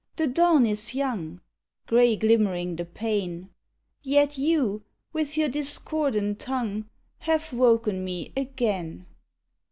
The dawn is young, Grey glimmering the pane; Yet you, with your discordant tongue, Have woken me again!